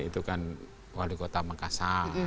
itu kan wali kota makassar